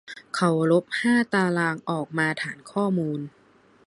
เขาลบห้าตารางออกมาฐานข้อมูล